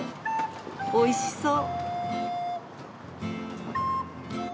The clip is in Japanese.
おいしそう！